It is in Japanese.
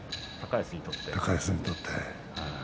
高安にとって。